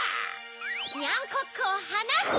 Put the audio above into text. ニャンコックをはなして！